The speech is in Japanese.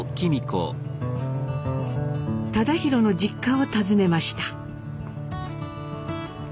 忠宏の実家を訪ねました。